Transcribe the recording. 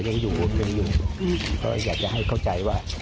ยังอยู่บนเป็นหนึ่งก็อยากจะให้เข้าใจว่า